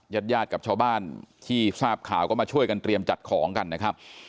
ญาติญาติกับชาวบ้านที่ทราบข่าวก็มาช่วยกันเตรียมจัดของกันนะครับ